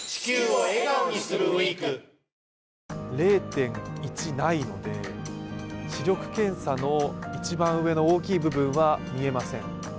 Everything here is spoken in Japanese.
０．１ないので、視力検査の一番上の大きい部分は見えません。